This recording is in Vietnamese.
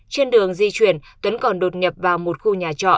trên đường di chuyển tuấn còn đột nhập vào một khu nhà trọ